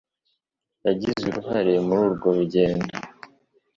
Yagize uruhare muri urwo rugendo